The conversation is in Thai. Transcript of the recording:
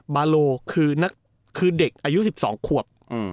บาโลคือเด็กอายุ๑๒ขวบ